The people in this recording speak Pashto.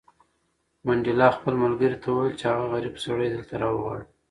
منډېلا خپل ملګري ته وویل چې هغه غریب سړی دلته راوغواړه.